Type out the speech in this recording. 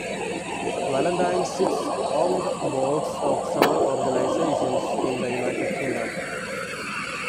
Valentine sits on the boards of several organisations in the United Kingdom.